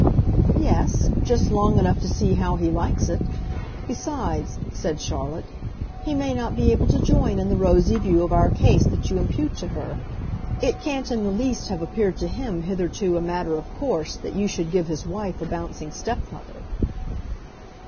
"Yes, just long enough to see how he likes it. Besides," said Charlotte, "he may not be able to join in the rosy view of our case that you impute to her. It can't in the least have appeared to him hitherto a matter of course that you should give his wife a bouncing stepmother."